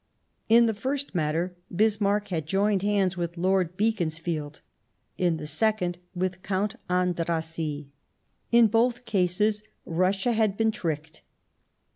In the first matter Bismarck had joined hands with Lord Beaconsfield ; in the second, with Count Andrassy, In both cases Russia had been tricked.